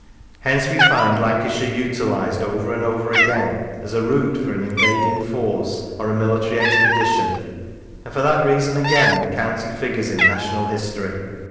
Hence we find Lancashire utilised over and over again as a route for an invading force or a military expedition, and for that reason again the county figures in national history.